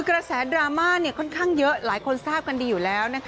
กระแสไพรนคาร์มเนี่ยค่อนข้างเยอะหลายคนทีมีละ